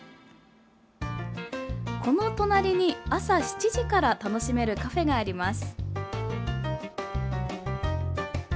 この隣に、朝７時から楽しめるカフェがあります。